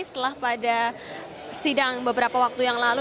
setelah pada sidang beberapa waktu yang lalu